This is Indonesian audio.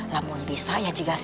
namun bisa ya jadi malu kan